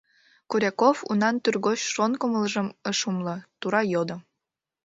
Коряков унан тӱргоч шонкалымыжым ыш умыло, тура йодо: